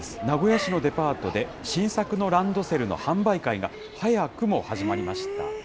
名古屋市のデパートで新作のランドセルの販売会が早くも始まりました。